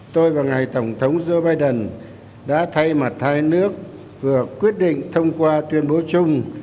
tôi và ngài tổng thống joe biden đã thay mặt hai nước vừa quyết định thông qua tuyên bố chung